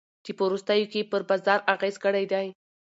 چي په وروستیو کي ئې پر بازار اغېز کړی دی.